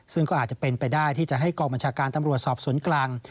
ซึ่งก็อาจจะเป็นไปได้ที่จะให้กองบัญชาการตำรวจสอบสวนกลาง